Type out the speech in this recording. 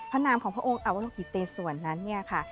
พระนามของพระองค์อารกิเตศวรรณ์นั้นแล้วค่ะ